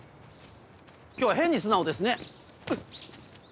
今日は変に素直ですね。